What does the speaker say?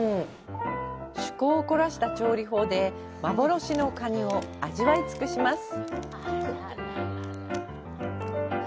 趣向を凝らした調理法で幻のカニを味わい尽くします。